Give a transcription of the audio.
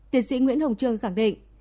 tiến sĩ nguyễn hồng trương khẳng định